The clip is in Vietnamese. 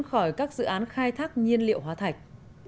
khỏi các dự án khai thác nhiên liệu hóa thạch